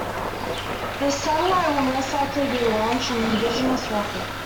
This satellite will most likely be launched on an indigenous rocket.